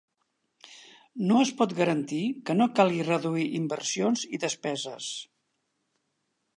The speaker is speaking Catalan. No es pot garantir que no calgui reduir inversions i despeses.